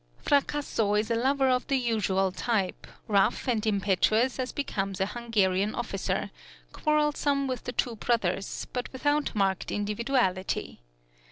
" Fracasso is a lover of the usual type, rough and impetuous as becomes a Hungarian officer, quarrelsome with the two brothers, but without marked individuality.